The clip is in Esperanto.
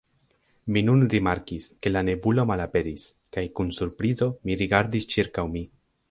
Mi nun rimarkis, ke la nebulo malaperis, kaj kun surprizo mi rigardis ĉirkaŭ mi.